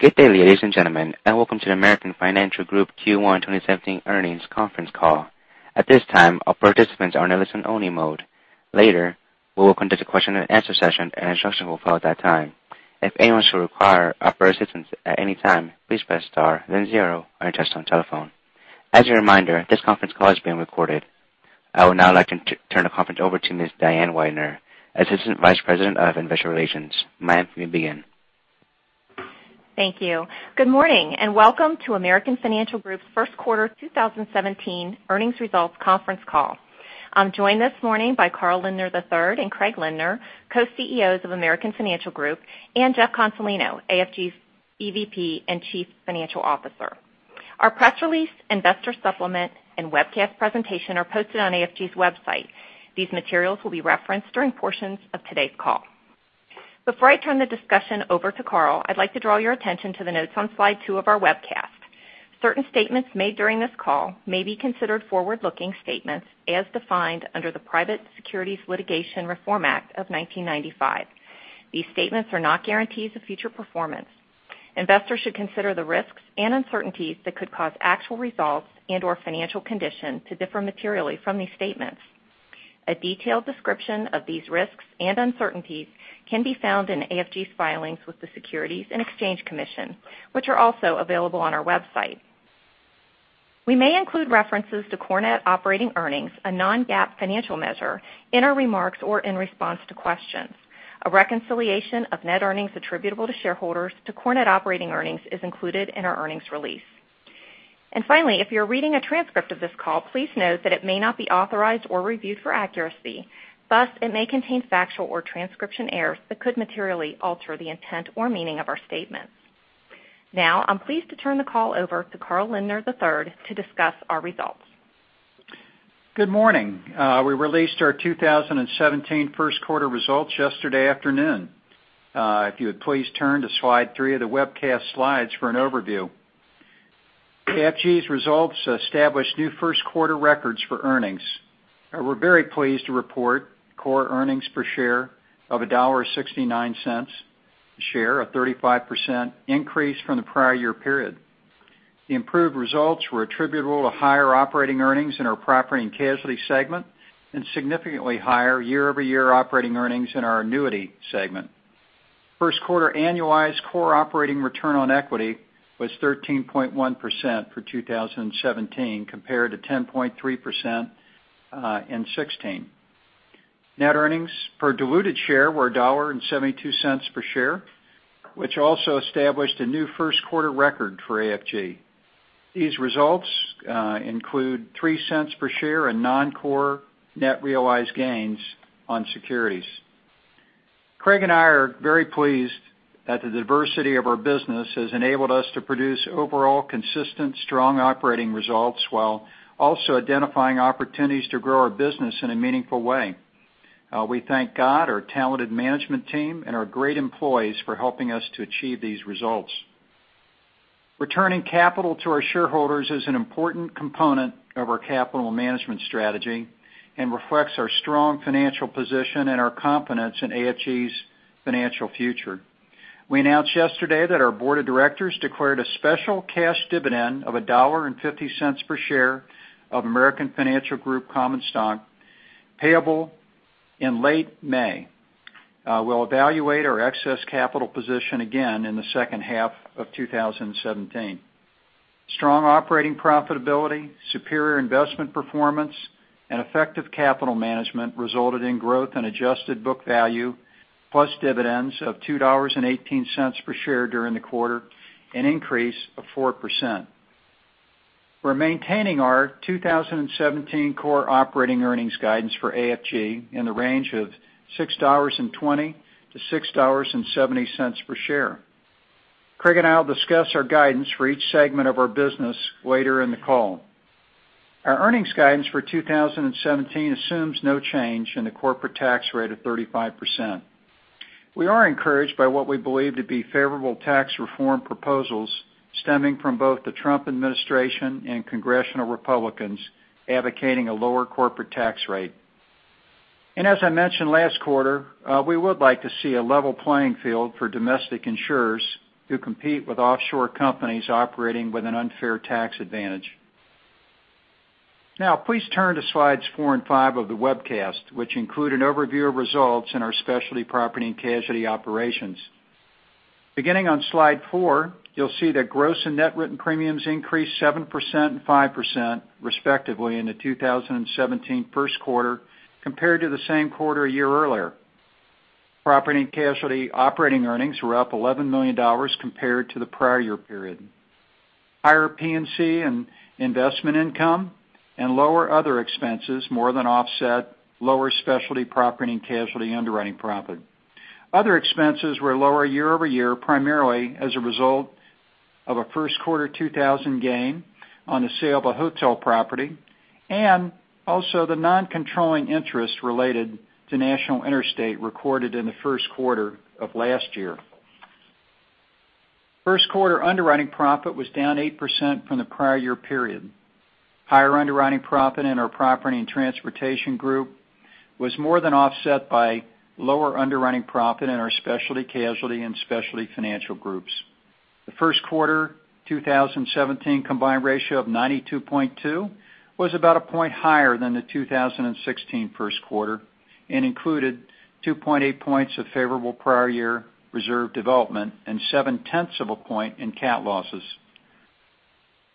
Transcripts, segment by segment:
Good day, ladies and gentlemen, and welcome to the American Financial Group Q1 2017 earnings conference call. At this time, all participants are in listen only mode. Later, we will conduct a question and answer session, and instructions will follow at that time. If anyone should require operator assistance at any time, please press star then zero on your touchtone telephone. As a reminder, this conference call is being recorded. I would now like to turn the conference over to Ms. Diane Weidner, Assistant Vice President of Investor Relations. Ma'am, you may begin. Thank you. Good morning, and welcome to American Financial Group's first quarter 2017 earnings results conference call. I'm joined this morning by Carl Lindner III and Craig Lindner, Co-CEOs of American Financial Group, and Jeff Consolino, AFG's EVP and Chief Financial Officer. Our press release, investor supplement, and webcast presentation are posted on AFG's website. These materials will be referenced during portions of today's call. Before I turn the discussion over to Carl, I'd like to draw your attention to the notes on slide two of our webcast. Certain statements made during this call may be considered forward-looking statements as defined under the Private Securities Litigation Reform Act of 1995. These statements are not guarantees of future performance. Investors should consider the risks and uncertainties that could cause actual results and/or financial conditions to differ materially from these statements. A detailed description of these risks and uncertainties can be found in AFG's filings with the Securities and Exchange Commission, which are also available on our website. We may include references to core net operating earnings, a non-GAAP financial measure, in our remarks or in response to questions. A reconciliation of net earnings attributable to shareholders to core net operating earnings is included in our earnings release. Finally, if you're reading a transcript of this call, please note that it may not be authorized or reviewed for accuracy, thus it may contain factual or transcription errors that could materially alter the intent or meaning of our statements. Now, I'm pleased to turn the call over to Carl Lindner III to discuss our results. Good morning. We released our 2017 first quarter results yesterday afternoon. If you would please turn to slide three of the webcast slides for an overview. AFG's results established new first-quarter records for earnings. We're very pleased to report core earnings per share of $1.69 a share, a 35% increase from the prior year period. The improved results were attributable to higher operating earnings in our property and casualty segment, and significantly higher year-over-year operating earnings in our annuity segment. First quarter annualized core operating return on equity was 13.1% for 2017, compared to 10.3% in 2016. Net earnings per diluted share were $1.72 per share, which also established a new first-quarter record for AFG. These results include $0.03 per share in non-core net realized gains on securities. Craig and I are very pleased that the diversity of our business has enabled us to produce overall consistent, strong operating results, while also identifying opportunities to grow our business in a meaningful way. We thank God, our talented management team, and our great employees for helping us to achieve these results. Returning capital to our shareholders is an important component of our capital management strategy and reflects our strong financial position and our confidence in AFG's financial future. We announced yesterday that our board of directors declared a special cash dividend of $1.50 per share of American Financial Group common stock payable in late May. We'll evaluate our excess capital position again in the second half of 2017. Strong operating profitability, superior investment performance, and effective capital management resulted in growth in adjusted book value, plus dividends of $2.18 per share during the quarter, an increase of 4%. We're maintaining our 2017 core operating earnings guidance for AFG in the range of $6.20 to $6.70 per share. Craig and I will discuss our guidance for each segment of our business later in the call. Our earnings guidance for 2017 assumes no change in the corporate tax rate of 35%. We are encouraged by what we believe to be favorable tax reform proposals stemming from both the Trump administration and congressional Republicans advocating a lower corporate tax rate. As I mentioned last quarter, we would like to see a level playing field for domestic insurers who compete with offshore companies operating with an unfair tax advantage. Now, please turn to slides four and five of the webcast, which include an overview of results in our specialty property and casualty operations. Beginning on slide four, you'll see that gross and net written premiums increased 7% and 5% respectively in the 2017 first quarter compared to the same quarter a year earlier. Property and casualty operating earnings were up $11 million compared to the prior year period. Higher P&C and investment income and lower other expenses more than offset lower specialty property and casualty underwriting profit. Other expenses were lower year-over-year, primarily as a result of a first quarter 2000 gain on the sale of a hotel property, and also the non-controlling interest related to National Interstate recorded in the first quarter of last year. First quarter underwriting profit was down 8% from the prior year period. Higher underwriting profit in our Property and Transportation Group was more than offset by lower underwriting profit in our Specialty Casualty and Specialty Financial Groups. The first quarter 2017 combined ratio of 92.2 was about a point higher than the 2016 first quarter, and included 2.8 points of favorable prior year reserve development and seven tenths of a point in cat losses.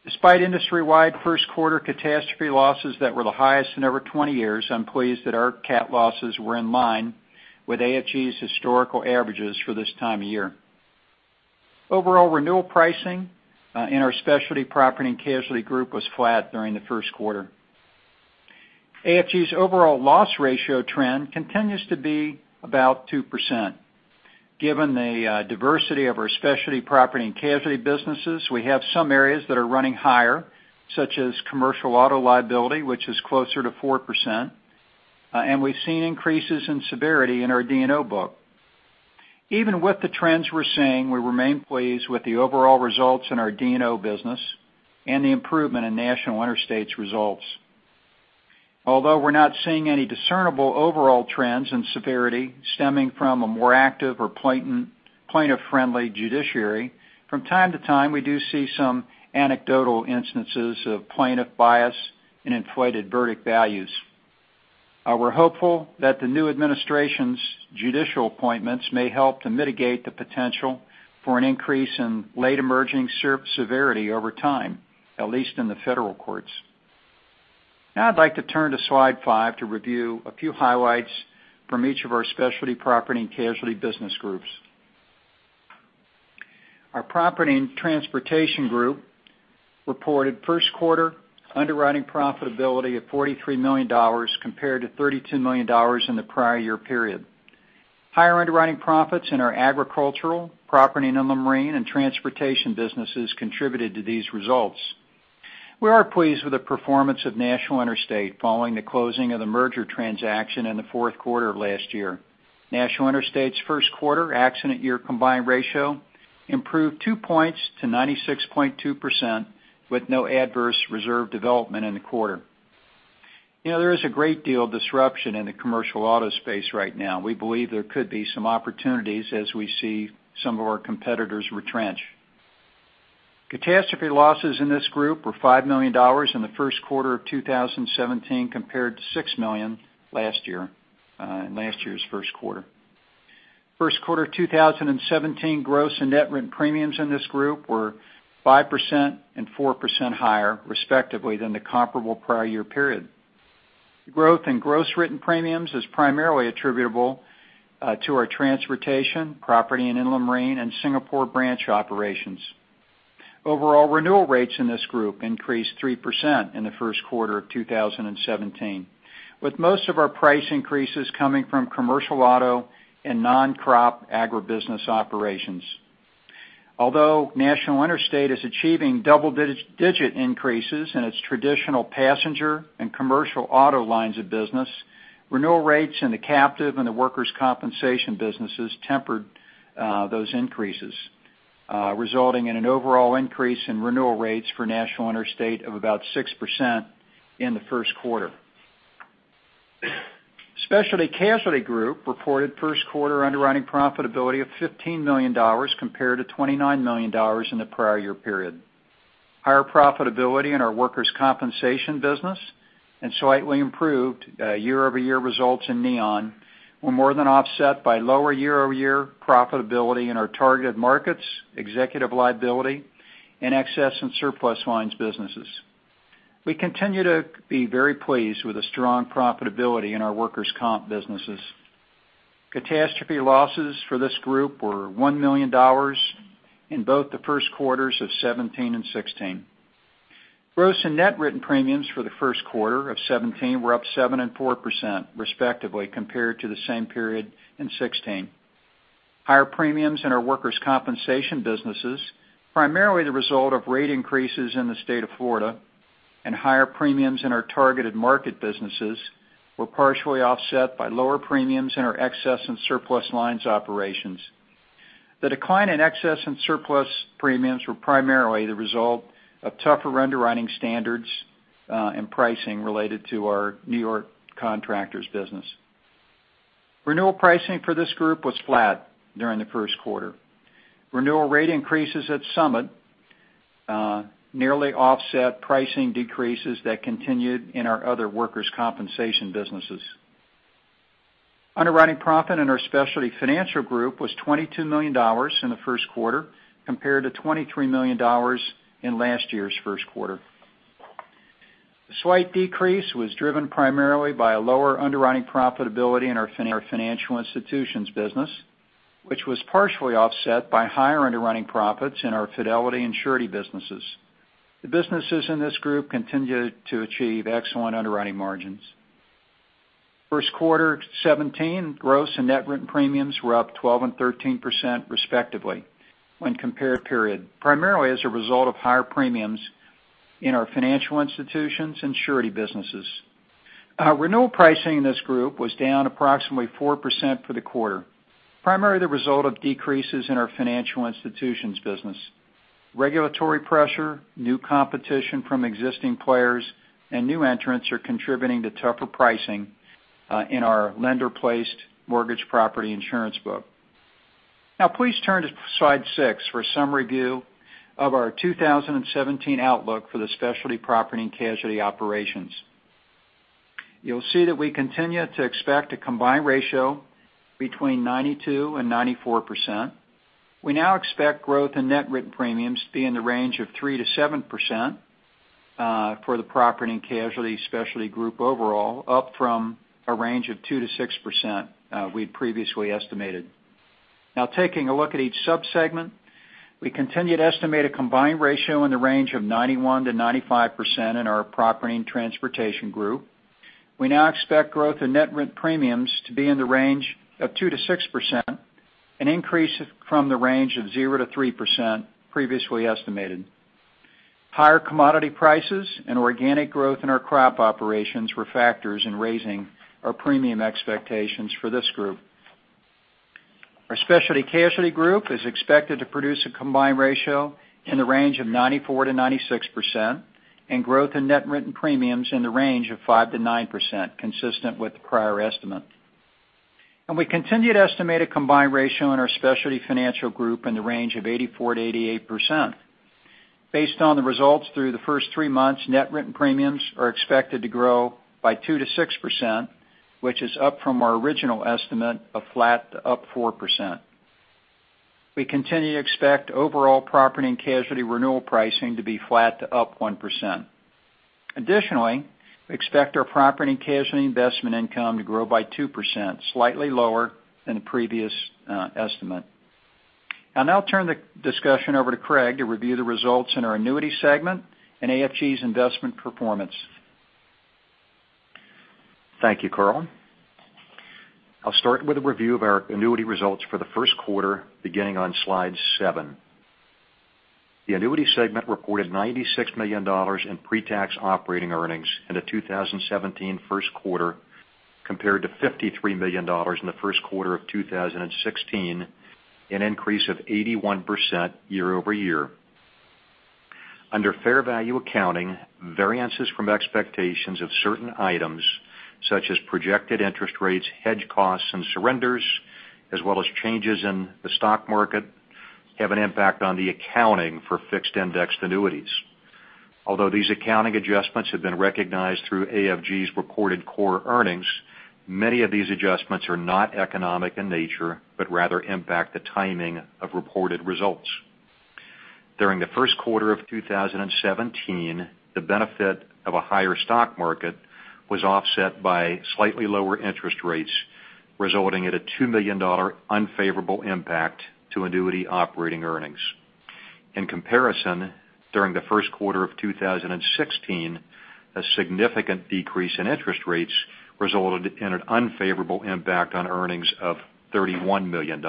Despite industry-wide first quarter catastrophe losses that were the highest in over 20 years, I'm pleased that our cat losses were in line with AFG's historical averages for this time of year. Overall renewal pricing in our Specialty Property and Casualty Group was flat during the first quarter. AFG's overall loss ratio trend continues to be about 2%. Given the diversity of our specialty property and casualty businesses, we have some areas that are running higher, such as commercial auto liability, which is closer to 4%, and we've seen increases in severity in our D&O book. Even with the trends we're seeing, we remain pleased with the overall results in our D&O business and the improvement in National Interstate's results. Although we're not seeing any discernible overall trends in severity stemming from a more active or plaintiff friendly judiciary, from time to time, we do see some anecdotal instances of plaintiff bias and inflated verdict values. We're hopeful that the new administration's judicial appointments may help to mitigate the potential for an increase in late emerging severity over time, at least in the federal courts. Now, I'd like to turn to slide five to review a few highlights from each of our Specialty Property and Casualty business groups. Our Property and Transportation Group reported first quarter underwriting profitability of $43 million compared to $32 million in the prior year period. Higher underwriting profits in our agricultural, property and inland marine, and transportation businesses contributed to these results. We are pleased with the performance of National Interstate following the closing of the merger transaction in the fourth quarter of last year. National Interstate's first quarter accident year combined ratio improved two points to 96.2% with no adverse reserve development in the quarter. There is a great deal of disruption in the commercial auto space right now. We believe there could be some opportunities as we see some of our competitors retrench. Catastrophe losses in this group were $5 million in the first quarter of 2017 compared to $6 million last year, in last year's first quarter. First quarter 2017 gross and net written premiums in this group were 5% and 4% higher, respectively, than the comparable prior year period. The growth in gross written premiums is primarily attributable to our transportation, property and inland marine, and Singapore branch operations. Overall renewal rates in this group increased 3% in the first quarter of 2017, with most of our price increases coming from commercial auto and non-crop agribusiness operations. Although National Interstate is achieving double-digit increases in its traditional passenger and commercial auto lines of business, renewal rates in the captive and the workers' compensation businesses tempered those increases, resulting in an overall increase in renewal rates for National Interstate of about 6% in the first quarter. Specialty Casualty Group reported first quarter underwriting profitability of $15 million compared to $29 million in the prior year period. Higher profitability in our workers' compensation business and slightly improved year-over-year results in Neon were more than offset by lower year-over-year profitability in our targeted markets, executive liability, and excess and surplus lines businesses. We continue to be very pleased with the strong profitability in our workers' comp businesses. Catastrophe losses for this group were $1 million in both the first quarters of 2017 and 2016. Gross and net written premiums for the first quarter of 2017 were up 7% and 4%, respectively, compared to the same period in 2016. Higher premiums in our workers' compensation businesses, primarily the result of rate increases in the state of Florida and higher premiums in our targeted market businesses were partially offset by lower premiums in our excess and surplus lines operations. The decline in excess and surplus premiums were primarily the result of tougher underwriting standards and pricing related to our New York contractors business. Renewal pricing for this group was flat during the first quarter. Renewal rate increases at Summit nearly offset pricing decreases that continued in our other workers' compensation businesses. Underwriting profit in our Specialty Financial Group was $22 million in the first quarter compared to $23 million in last year's first quarter. A slight decrease was driven primarily by a lower underwriting profitability in our financial institutions business, which was partially offset by higher underwriting profits in our fidelity and surety businesses. The businesses in this group continued to achieve excellent underwriting margins. First quarter 2017 gross and net written premiums were up 12% and 13%, respectively, when compared period, primarily as a result of higher premiums in our financial institutions and surety businesses. Renewal pricing in this group was down approximately 4% for the quarter, primarily the result of decreases in our financial institutions business. Regulatory pressure, new competition from existing players, and new entrants are contributing to tougher pricing in our lender-placed mortgage property insurance book. Please turn to slide six for a summary view of our 2017 outlook for the Specialty Property & Casualty operations. You'll see that we continue to expect a combined ratio between 92%-94%. We now expect growth in net written premiums to be in the range of 3%-7% for the Property and Casualty Specialty group overall, up from a range of 2%-6% we'd previously estimated. Taking a look at each sub-segment. We continue to estimate a combined ratio in the range of 91%-95% in our Property and Transportation Group. We now expect growth in net written premiums to be in the range of 2%-6%, an increase from the range of 0%-3% previously estimated. Higher commodity prices and organic growth in our crop operations were factors in raising our premium expectations for this group. Our Specialty Casualty group is expected to produce a combined ratio in the range of 94%-96%, and growth in net written premiums in the range of 5%-9%, consistent with the prior estimate. We continue to estimate a combined ratio in our Specialty Financial Group in the range of 84%-88%. Based on the results through the first three months, net written premiums are expected to grow by 2%-6%, which is up from our original estimate of flat to up 4%. We continue to expect overall Property and Casualty renewal pricing to be flat to up 1%. Additionally, we expect our Property and Casualty investment income to grow by 2%, slightly lower than the previous estimate. I'll now turn the discussion over to Craig to review the results in our Annuity segment and AFG's investment performance. Thank you, Carl. I'll start with a review of our annuity results for the first quarter beginning on slide seven. The Annuity segment reported $96 million in pre-tax operating earnings in the 2017 first quarter, compared to $53 million in the first quarter of 2016, an increase of 81% year-over-year. Under fair value accounting, variances from expectations of certain items, such as projected interest rates, hedge costs, and surrenders, as well as changes in the stock market, have an impact on the accounting for fixed-indexed annuities. Although these accounting adjustments have been recognized through AFG's recorded core earnings, many of these adjustments are not economic in nature, but rather impact the timing of reported results. During the first quarter of 2017, the benefit of a higher stock market was offset by slightly lower interest rates, resulting in a $2 million unfavorable impact to Annuity operating earnings. In comparison, during the first quarter of 2016, a significant decrease in interest rates resulted in an unfavorable impact on earnings of $31 million.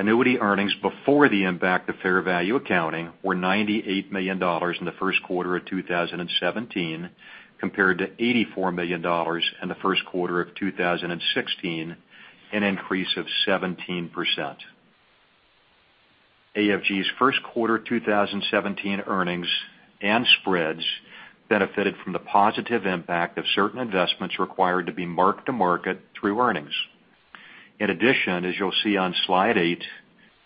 Annuity earnings before the impact of fair value accounting were $98 million in the first quarter of 2017, compared to $84 million in the first quarter of 2016, an increase of 17%. AFG's first quarter 2017 earnings and spreads benefited from the positive impact of certain investments required to be marked to market through earnings. In addition, as you'll see on slide eight,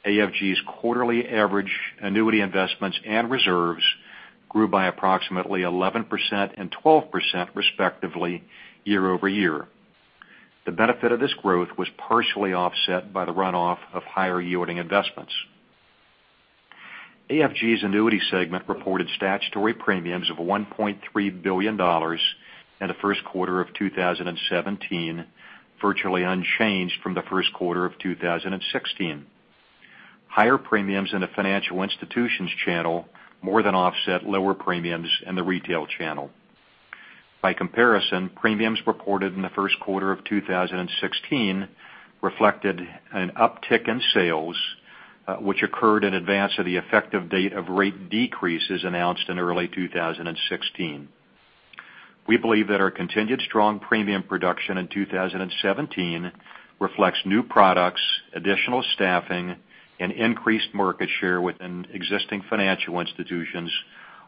AFG's quarterly average Annuity investments and reserves grew by approximately 11% and 12%, respectively, year-over-year. The benefit of this growth was partially offset by the runoff of higher-yielding investments. AFG's Annuity segment reported statutory premiums of $1.3 billion in the first quarter of 2017, virtually unchanged from the first quarter of 2016. Higher premiums in the financial institutions channel more than offset lower premiums in the retail channel. By comparison, premiums reported in the first quarter of 2016 reflected an uptick in sales, which occurred in advance of the effective date of rate decreases announced in early 2016. We believe that our continued strong premium production in 2017 reflects new products, additional staffing, and increased market share within existing financial institutions,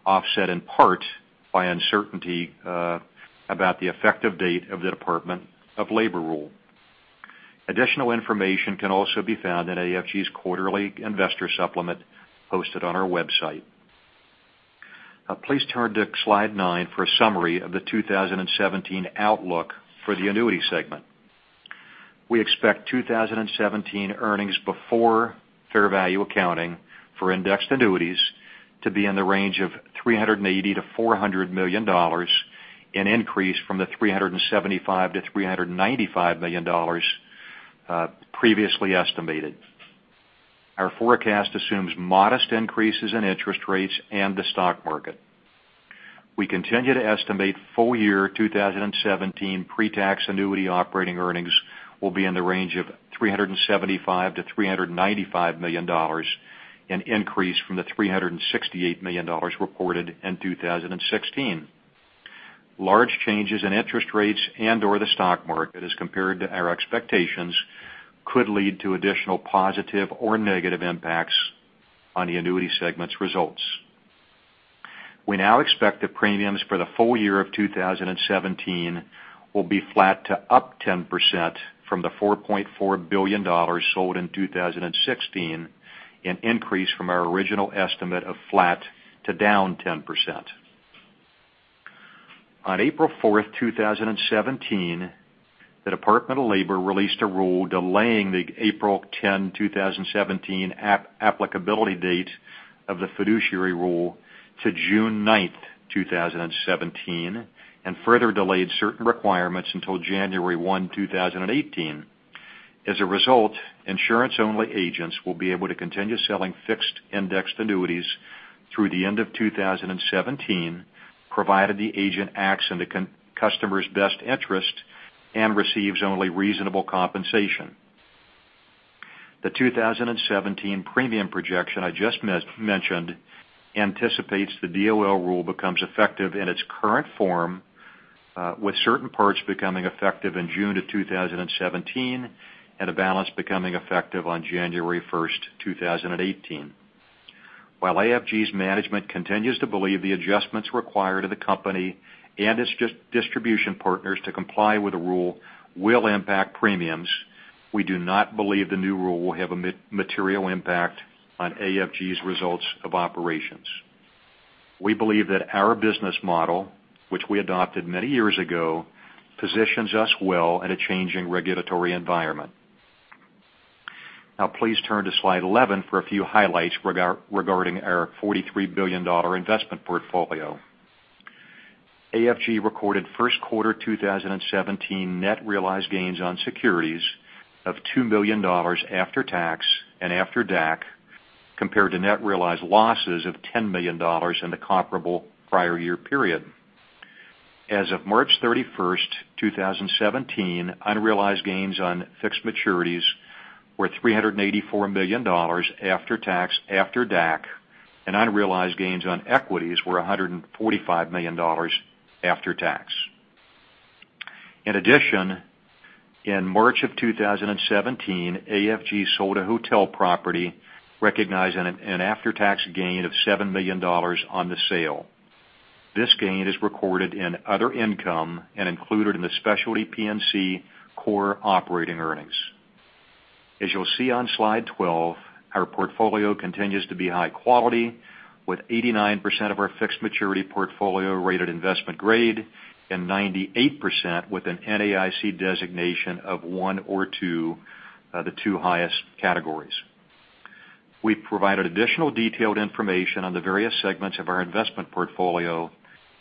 offset in part by uncertainty about the effective date of the Department of Labor rule. Additional information can also be found in AFG's quarterly investor supplement posted on our website. Now please turn to slide nine for a summary of the 2017 outlook for the Annuity segment. We expect 2017 earnings before fair value accounting for indexed annuities to be in the range of $380 million to $400 million, an increase from the $375 million to $395 million previously estimated. Our forecast assumes modest increases in interest rates and the stock market. We continue to estimate full year 2017 pre-tax Annuity operating earnings will be in the range of $375 million to $395 million, an increase from the $368 million reported in 2016. Large changes in interest rates and/or the stock market as compared to our expectations could lead to additional positive or negative impacts on the Annuity segment's results. We now expect the premiums for the full year of 2017 will be flat to up 10% from the $4.4 billion sold in 2016, an increase from our original estimate of flat to down 10%. On April 4th, 2017, the Department of Labor released a rule delaying the April 10, 2017, applicability date of the fiduciary rule to June 9th, 2017, and further delayed certain requirements until January 1, 2018. As a result, insurance-only agents will be able to continue selling fixed-indexed annuities through the end of 2017, provided the agent acts in the customer's best interest and receives only reasonable compensation. The 2017 premium projection I just mentioned anticipates the DOL rule becomes effective in its current form, with certain parts becoming effective in June 2017, and the balance becoming effective on January 1st, 2018. While AFG's management continues to believe the adjustments required of the company and its distribution partners to comply with the rule will impact premiums, we do not believe the new rule will have a material impact on AFG's results of operations. We believe that our business model, which we adopted many years ago, positions us well in a changing regulatory environment. Please turn to slide 11 for a few highlights regarding our $43 billion investment portfolio. AFG recorded first quarter 2017 net realized gains on securities of $2 million after tax and after DAC, compared to net realized losses of $10 million in the comparable prior year period. As of March 31st, 2017, unrealized gains on fixed maturities were $384 million after tax, after DAC, and unrealized gains on equities were $145 million after tax. In addition, in March of 2017, AFG sold a hotel property, recognizing an after-tax gain of $7 million on the sale. This gain is recorded in other income and included in the specialty P&C core operating earnings. As you'll see on slide 12, our portfolio continues to be high quality, with 89% of our fixed maturity portfolio rated investment grade and 98% with an NAIC designation of 1 or 2, the two highest categories. We provided additional detailed information on the various segments of our investment portfolio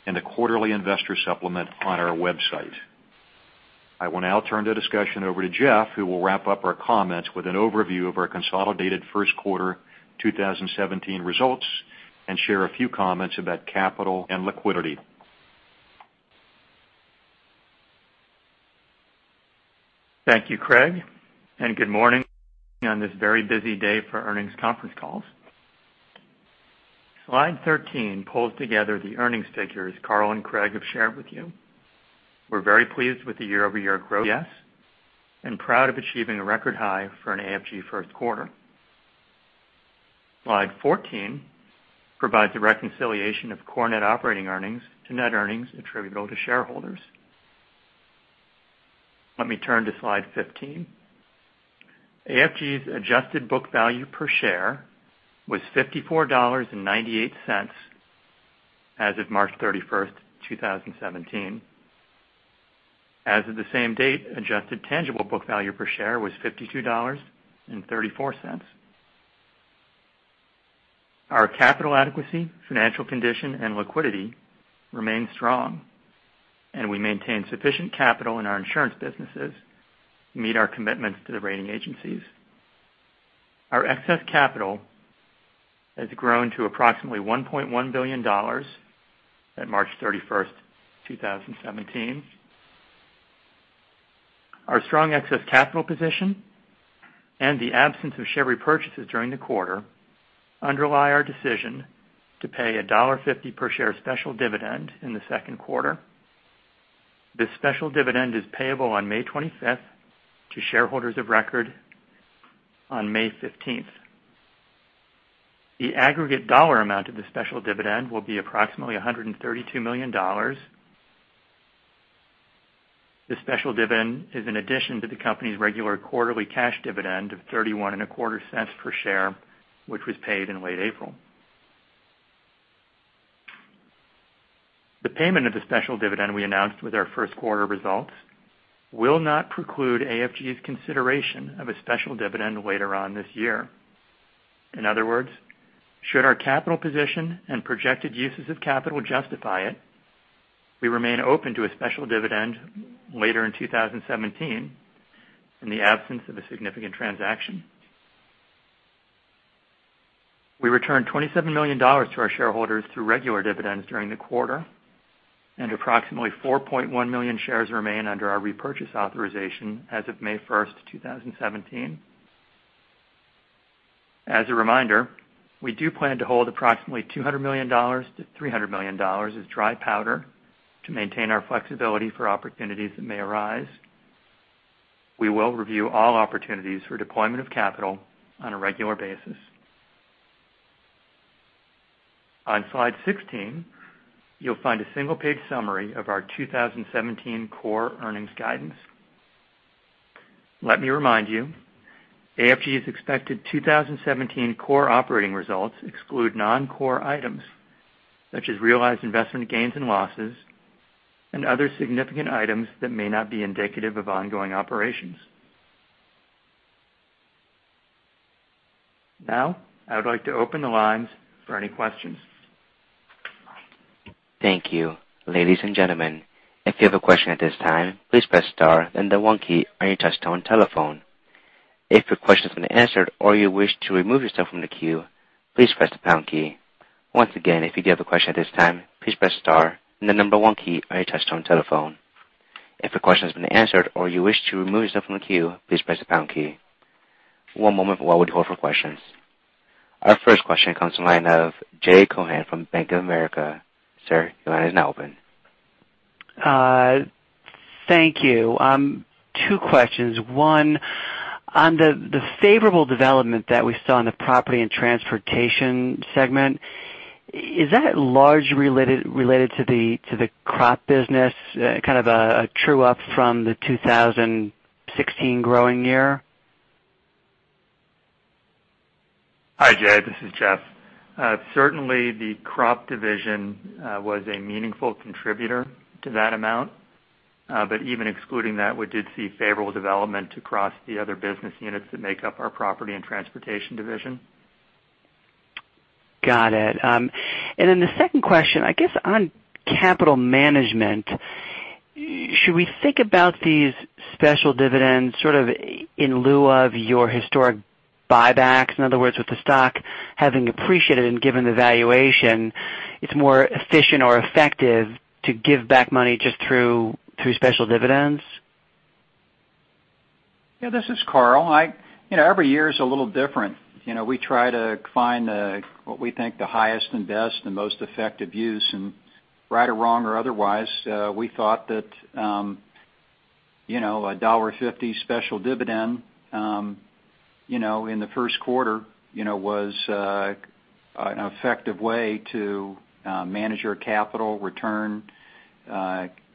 in the quarterly investor supplement on our website. I will now turn the discussion over to Jeff, who will wrap up our comments with an overview of our consolidated first quarter 2017 results and share a few comments about capital and liquidity. Thank you, Craig, and good morning on this very busy day for earnings conference calls. Slide 13 pulls together the earnings figures Carl and Craig have shared with you. We're very pleased with the year-over-year growth, yes, and proud of achieving a record high for an AFG first quarter. Slide 14 provides a reconciliation of core net operating earnings to net earnings attributable to shareholders. Let me turn to slide 15. AFG's adjusted book value per share was $54.98 as of March 31st, 2017. As of the same date, adjusted tangible book value per share was $52.34. Our capital adequacy, financial condition, and liquidity remain strong, and we maintain sufficient capital in our insurance businesses to meet our commitments to the rating agencies. Our excess capital has grown to approximately $1.1 billion at March 31st, 2017. Our strong excess capital position and the absence of share repurchases during the quarter underlie our decision to pay a $1.50 per share special dividend in the second quarter. This special dividend is payable on May 25th to shareholders of record on May 15th. The aggregate dollar amount of the special dividend will be approximately $132 million. The special dividend is in addition to the company's regular quarterly cash dividend of $0.3125 per share, which was paid in late April. The payment of the special dividend we announced with our first quarter results will not preclude AFG's consideration of a special dividend later on this year. In other words, should our capital position and projected uses of capital justify it, we remain open to a special dividend later in 2017, in the absence of a significant transaction. We returned $27 million to our shareholders through regular dividends during the quarter. Approximately 4.1 million shares remain under our repurchase authorization as of May 1st, 2017. As a reminder, we do plan to hold approximately $200 million-$300 million as dry powder to maintain our flexibility for opportunities that may arise. We will review all opportunities for deployment of capital on a regular basis. On slide 16, you'll find a single page summary of our 2017 core earnings guidance. Let me remind you, AFG's expected 2017 core operating results exclude non-core items such as realized investment gains and losses and other significant items that may not be indicative of ongoing operations. I would like to open the lines for any questions. Thank you. Ladies and gentlemen, if you have a question at this time, please press star, then the one key on your touchtone telephone. If your question has been answered or you wish to remove yourself from the queue, please press the pound key. Once again, if you do have a question at this time, please press star, then the number one key on your touchtone telephone. If your question has been answered or you wish to remove yourself from the queue, please press the pound key. One moment while we hold for questions. Our first question comes to the line of Jay Cohen from Bank of America. Sir, your line is now open. Thank you. Two questions. One, on the favorable development that we saw in the property and transportation segment, is that largely related to the crop business, kind of a true up from the 2016 growing year? Hi, Jay, this is Jeff. Certainly the crop division was a meaningful contributor to that amount. Even excluding that, we did see favorable development across the other business units that make up our Property and Transportation Division. Got it. Then the second question, I guess on capital management, should we think about these special dividends sort of in lieu of your historic buybacks? In other words, with the stock having appreciated and given the valuation, it's more efficient or effective to give back money just through special dividends? Yeah, this is Carl. Every year is a little different. We try to find what we think the highest and best and most effective use and right or wrong or otherwise, we thought that $1.50 special dividend in the first quarter was an effective way to manage our capital, return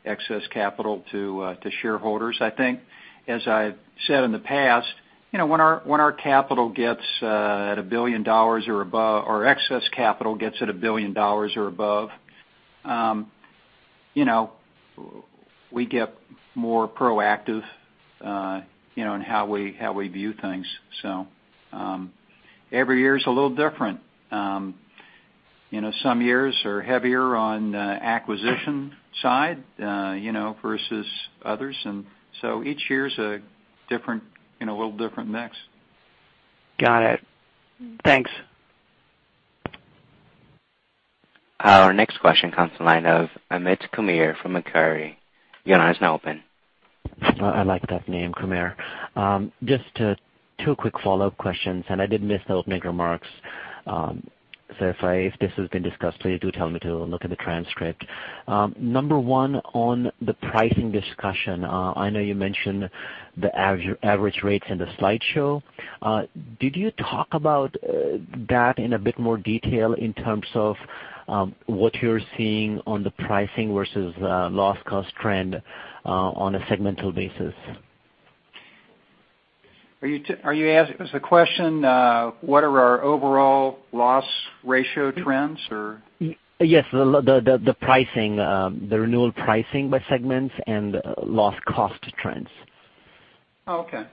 excess capital to shareholders. I think as I've said in the past, when our capital gets at $1 billion or above, or excess capital gets at $1 billion or above, we get more proactive in how we view things. Every year is a little different. Some years are heavier on acquisition side versus others. Each year is a little different mix. Got it. Thanks. Our next question comes to the line of Amit Kumar from Macquarie. Your line is now open. I like that name, Kumar. Just two quick follow-up questions. I did miss the opening remarks. If this has been discussed, please do tell me to look at the transcript. Number one, on the pricing discussion, I know you mentioned the average rates in the slideshow. Did you talk about that in a bit more detail in terms of what you're seeing on the pricing versus loss cost trend on a segmental basis? Is the question what are our overall loss ratio trends or? Yes, the pricing, the renewal pricing by segments and loss cost trends. Okay.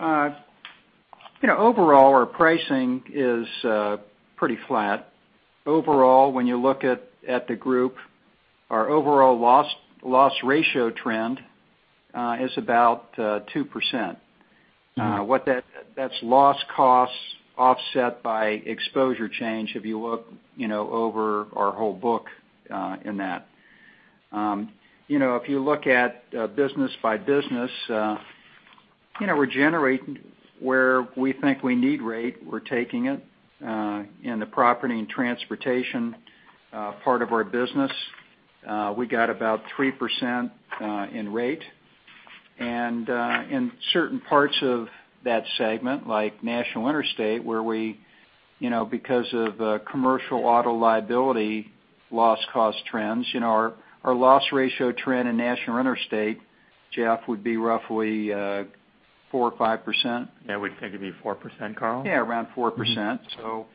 Overall, our pricing is pretty flat. Overall, when you look at the group, our overall loss ratio trend is about 2%. That's loss costs offset by exposure change if you look over our whole book in that. If you look at business by business, we're generating where we think we need rate, we're taking it in the property and transportation part of our business. We got about 3% in rate. In certain parts of that segment, like National Interstate where we because of commercial auto liability loss cost trends, our loss ratio trend in National Interstate, Jeff, would be roughly 4% or 5%. Yeah, we think it'd be 4%, Carl. Yeah, around 4%.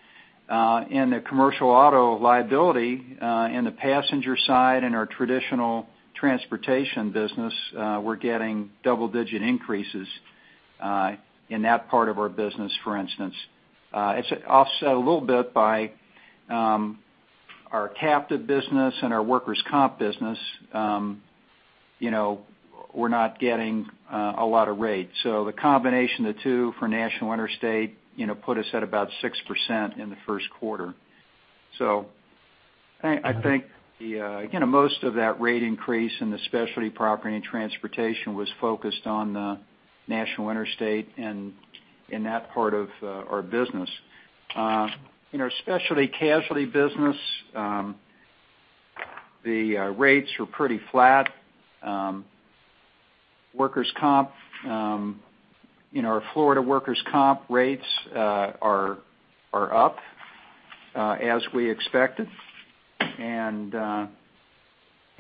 In the commercial auto liability in the passenger side and our traditional transportation business, we're getting double-digit increases in that part of our business, for instance. It's offset a little bit by our captive business and our workers' comp business. We're not getting a lot of rate. The combination of the two for National Interstate put us at about 6% in the first quarter. I think most of that rate increase in the specialty property and transportation was focused on the National Interstate and in that part of our business. In our specialty casualty business, the rates were pretty flat. Our Florida workers' comp rates are up as we expected.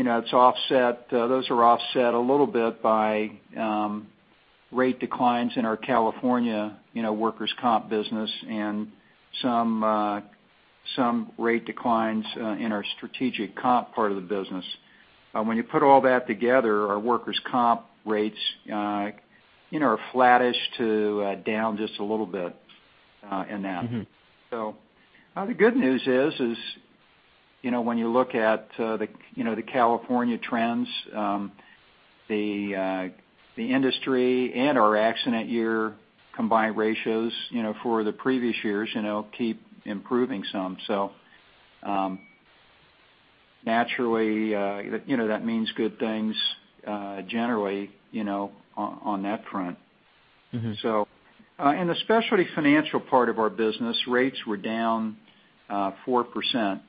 Those are offset a little bit by rate declines in our California workers' comp business and some rate declines in our Strategic Comp part of the business. When you put all that together, our workers' comp rates are flattish to down just a little bit in that. The good news is when you look at the California trends, the industry and our accident year combined ratios for the previous years keep improving some. Naturally, that means good things generally on that front. In the specialty financial part of our business, rates were down 4%.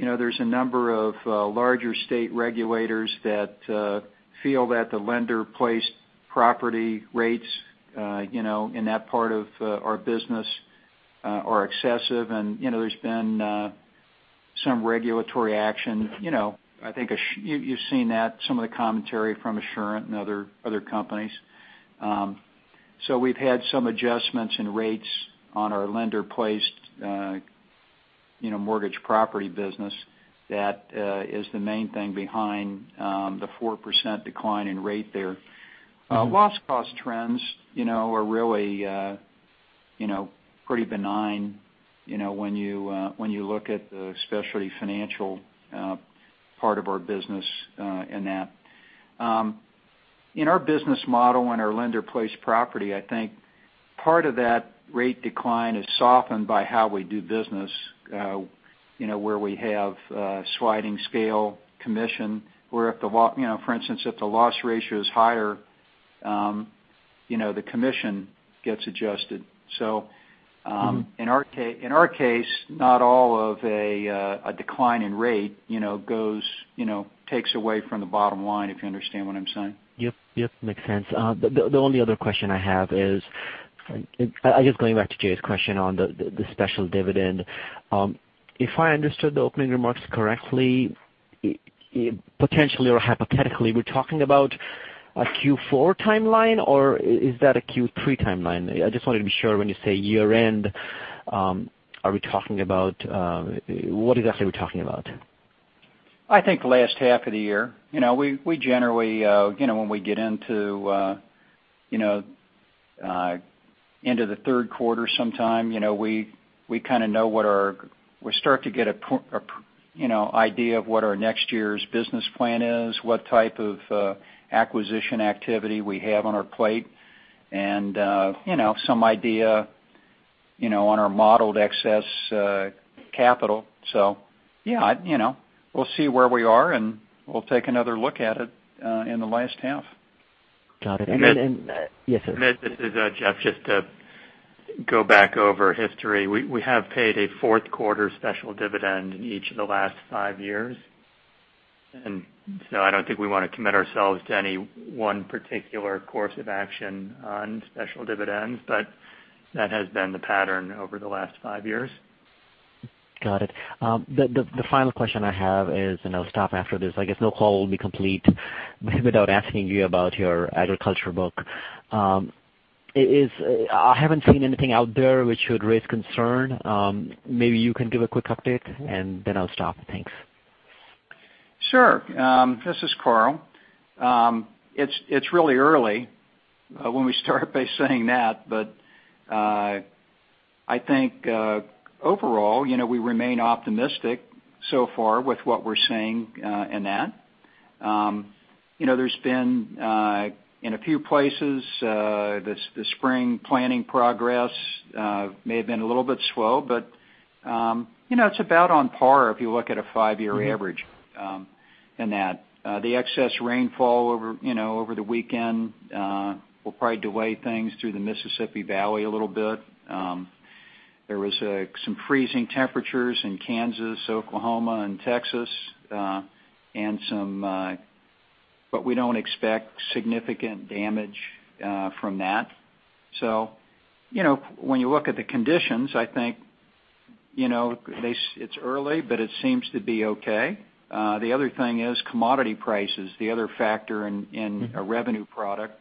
There's a number of larger state regulators that feel that the lender-placed property rates in that part of our business are excessive, and there's been some regulatory action. I think you've seen that, some of the commentary from Assurant and other companies. We've had some adjustments in rates on our lender-placed mortgage property business. That is the main thing behind the 4% decline in rate there. Loss cost trends are really pretty benign when you look at the specialty financial part of our business in that. In our business model, in our lender-placed property, I think part of that rate decline is softened by how we do business where we have sliding scale commission, where, for instance, if the loss ratio is higher, the commission gets adjusted. In our case, not all of a decline in rate takes away from the bottom line, if you understand what I'm saying. Yep. Makes sense. The only other question I have is, I guess going back to Jay's question on the special dividend. If I understood the opening remarks correctly, potentially or hypothetically, we're talking about a Q4 timeline, or is that a Q3 timeline? I just wanted to be sure when you say year-end, what exactly are we talking about? I think the last half of the year. We generally when we get into the third quarter sometime, we start to get an idea of what our next year's business plan is, what type of acquisition activity we have on our plate, and some idea on our modeled excess capital. Yeah, we'll see where we are, and we'll take another look at it in the last half. Got it. Amit? Yes, sir. Amit, this is Jeff. Just to go back over history, we have paid a fourth quarter special dividend in each of the last five years. I don't think we want to commit ourselves to any one particular course of action on special dividends, but that has been the pattern over the last five years. Got it. The final question I have is, and I'll stop after this. I guess no call will be complete without asking you about your agriculture book. I haven't seen anything out there which should raise concern. Maybe you can give a quick update, and then I'll stop. Thanks. Sure. This is Carl. It's really early. I won't start by saying that, but I think overall we remain optimistic so far with what we're seeing in that. There's been in a few places the spring planting progress may have been a little bit slow, but it's about on par if you look at a five-year average in that. The excess rainfall over the weekend will probably delay things through the Mississippi Valley a little bit. There was some freezing temperatures in Kansas, Oklahoma, and Texas, but we don't expect significant damage from that. When you look at the conditions, I think it's early, but it seems to be okay. The other thing is commodity prices. The other factor in a revenue product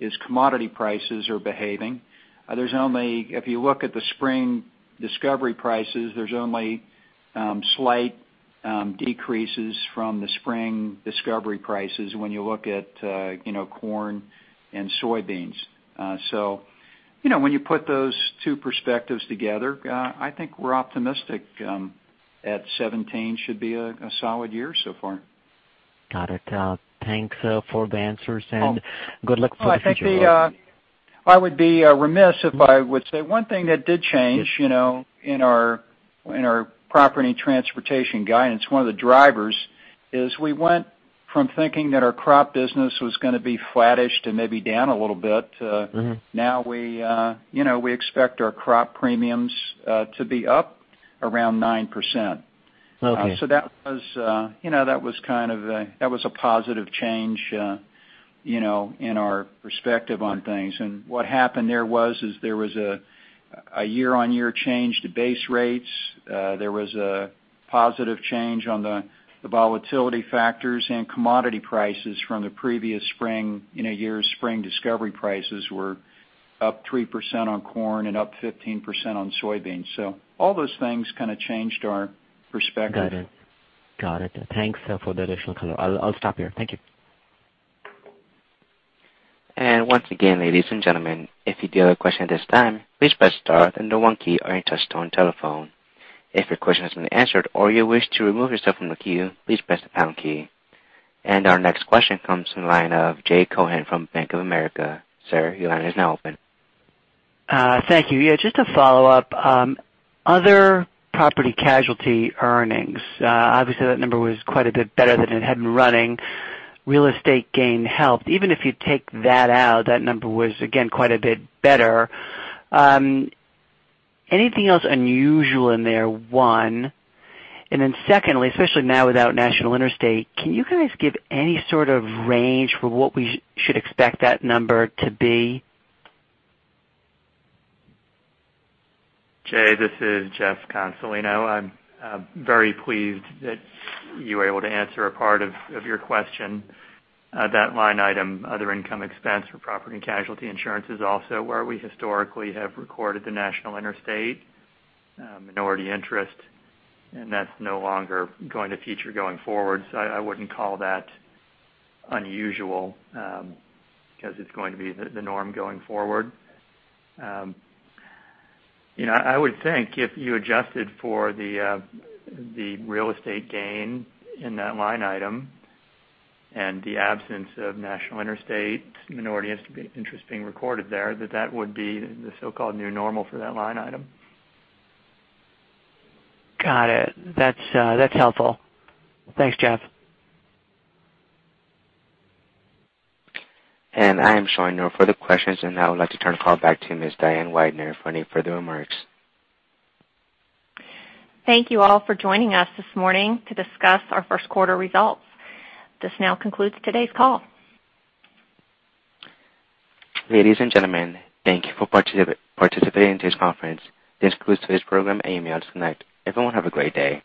is commodity prices are behaving. If you look at the spring discovery prices, there's only slight decreases from the spring discovery prices when you look at corn and soybeans. When you put those two perspectives together, I think we're optimistic that 2017 should be a solid year so far. Got it. Thanks for the answers and good luck for the future. I would be remiss if I would say one thing that did change in our property and transportation guidance, one of the drivers is we went from thinking that our crop business was going to be flattish to maybe down a little bit. We expect our crop premiums to be up around 9%. Okay. That was a positive change in our perspective on things. What happened there was is there was a year-on-year change to base rates. There was a positive change on the volatility factors and commodity prices from the previous spring. Year spring discovery prices were up 3% on corn and up 15% on soybeans. All those things kind of changed our perspective. Got it. Thanks for the additional color. I'll stop here. Thank you. Once again, ladies and gentlemen, if you do have a question at this time, please press star then the 1 key on your touch-tone telephone. If your question has been answered or you wish to remove yourself from the queue, please press the pound key. Our next question comes from the line of Jay Cohen from Bank of America. Sir, your line is now open. Thank you. Yeah, just to follow up. Other property casualty earnings, obviously that number was quite a bit better than it had been running. Real estate gain helped. Even if you take that out, that number was again quite a bit better. Anything else unusual in there, one? Then secondly, especially now without National Interstate, can you guys give any sort of range for what we should expect that number to be? Jay, this is Jeff Consolino. I'm very pleased that you were able to answer a part of your question. That line item, other income expense for property and casualty insurance, is also where we historically have recorded the National Interstate minority interest, and that's no longer going to feature going forward. I wouldn't call that unusual, because it's going to be the norm going forward. I would think if you adjusted for the real estate gain in that line item and the absence of National Interstate minority interest being recorded there, that that would be the so-called new normal for that line item. Got it. That's helpful. Thanks, Jeff. I am showing no further questions, and I would like to turn the call back to Ms. Diane Weidner for any further remarks. Thank you all for joining us this morning to discuss our first quarter results. This now concludes today's call. Ladies and gentlemen, thank you for participating in today's conference. This concludes today's program. You may disconnect. Everyone have a great day.